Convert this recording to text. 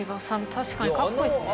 確かにかっこいいですね。